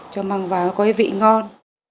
cho măng vàng nó có vị ngon